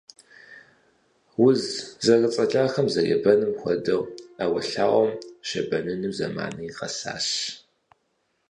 Уз зэрыцӀалэхэм зэребэным хуэдэу, Ӏэуэлъауэм щебэныну зэманри къэсащ.